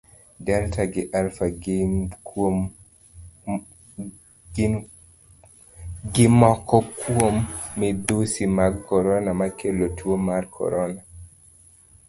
Delta gi Alpha gim moko kum midhusi mag korona makelo tuo mar korona.